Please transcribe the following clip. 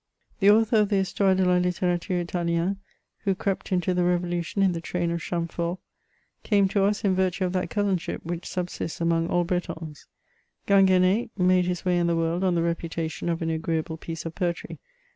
The author of the Histoire de la LUtirature Italienne, who crept into the Revolution in the train of Chamfort, came to us in virtue of that cousinship which subsists among all Bretons. Gingu&i^ made his way in the world on the repu tation of an agreeable piece of poetry.